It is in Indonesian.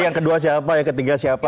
yang kedua siapa yang ketiga siapa